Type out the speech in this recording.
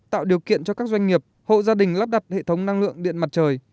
tạo điều kiện cho các doanh nghiệp hộ gia đình lắp đặt hệ thống năng lượng điện mặt trời